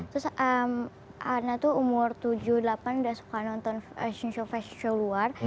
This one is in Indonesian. terus hanna tuh umur tujuh delapan udah suka nonton fashion show luar